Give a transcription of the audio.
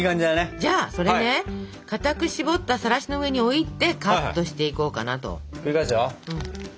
じゃあそれね固くしぼったさらしの上に置いてカットしていこうかなと。